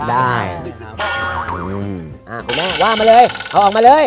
อ๋อได้อืมอ่าคุณแม่ว่ามาเลยเขาออกมาเลย